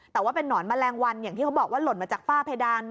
แต่ว่าเป็นนอนแมลงวันอย่างที่เขาบอกว่าหล่นมาจากฝ้าเพดาน